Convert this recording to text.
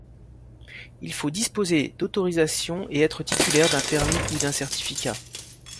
Il faut disposer d'autorisations et être titulaire d'un permis ou d'un certificat.